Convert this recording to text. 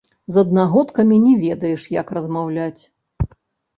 З аднагодкамі не ведаеш, як размаўляць.